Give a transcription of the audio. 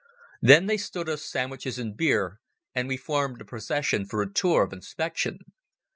Then they stood us sandwiches and beer, and we formed a procession for a tour of inspection.